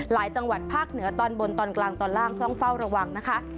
จังหวัดภาคเหนือตอนบนตอนกลางตอนล่างต้องเฝ้าระวังนะคะ